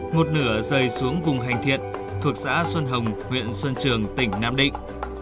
một nửa rơi xuống vùng hành thiện thuộc xã xuân hồng huyện xuân trường tỉnh nam định